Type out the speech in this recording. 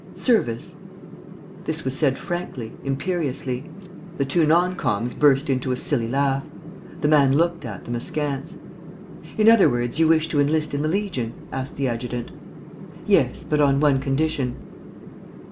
"Service." This was said frankly, imperiously. The two non coms burst into a silly laugh. The man looked at them askance. "In other words, you wish to enlist in the Legion?" asked the adjutant. "Yes, but on one condition."